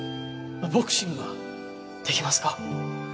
ボクシングはできますか？